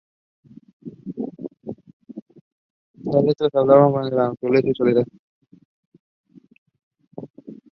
Sus letras hablan de la naturaleza y la soledad.